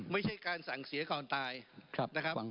ไม่ใช่การสั่งเสียก่อนตายนะครับ